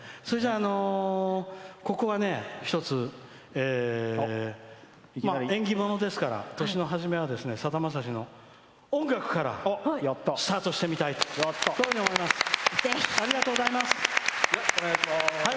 それじゃあ、ここは一つ縁起物ですから「年の初めはさだまさし」の音楽からスタートしてみたいと思います。